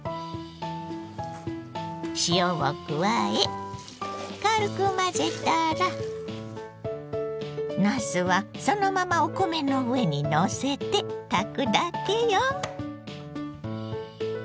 塩を加え軽く混ぜたらなすはそのままお米の上にのせて炊くだけよ。